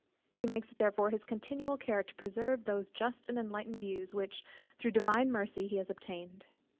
He makes it therefore his continual care to preserve those just and enlightened views, which through Divine mercy he has obtained.